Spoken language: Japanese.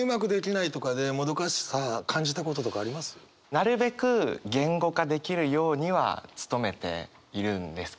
なるべく言語化できるようには努めているんですけど